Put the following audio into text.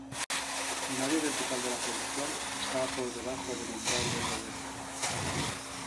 Nadie del total de la población estaba por debajo del umbral de pobreza.